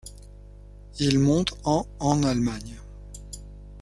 Il monte en en Allemagne.